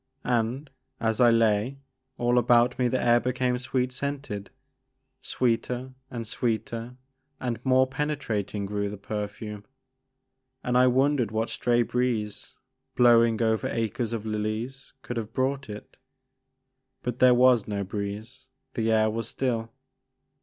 And, as I lay, all about me the air became sweet scented. Sweeter and sweeter and more penetrating grew the perfume, and I wondered what stray breeze, blowing over acres of lilies could have brought it. But there was no breeze ; the air was still.